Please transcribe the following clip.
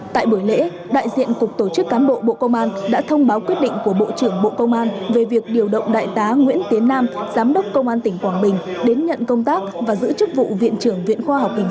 tại buổi lễ đại diện cục tổ chức cán bộ bộ công an đã thông báo quyết định của bộ trưởng bộ công an về việc điều động đại tá nguyễn tiến nam giám đốc công an tỉnh quảng bình đến nhận công tác và giữ chức vụ viện trưởng viện khoa học kinh tế